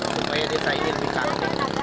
supaya desa ini lebih cantik